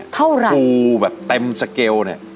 เท่าไรสูงแบบเต็มสเกล